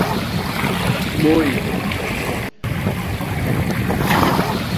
প্রথম সম্পাদক ছিলেন শিবরাম শর্মা বরদলৈ।